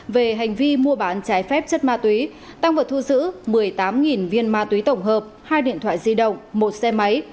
về hành vi mua bán trái phép chất ma túy tăng vật thu giữ một mươi tám viên ma túy tổng hợp hai điện thoại di động một xe máy